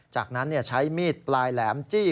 จากนั้นใช้มีดปลายแหลมจี้